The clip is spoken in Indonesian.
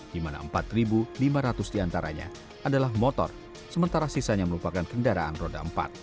dimana empat lima ratus di antaranya adalah motor sementara sisanya merupakan kendaraan roda empat